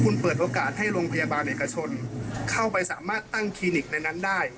คุณเปิดโอกาสให้โรงพยาบาลเอกชนเข้าไปสามารถตั้งคลินิกในนั้นได้